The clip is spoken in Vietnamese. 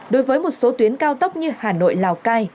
đối với một số tuyến cao tốc như hà nội lào cai